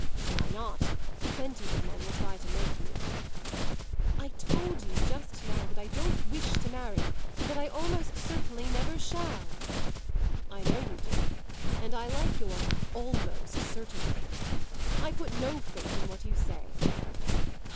"Why not? Plenty of men will try to make you." "I told you just now that I don't wish to marry and that I almost certainly never shall." "I know you did, and I like your 'almost certainly'! I put no faith in what you say."